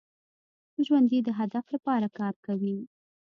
ژوندي د هدف لپاره کار کوي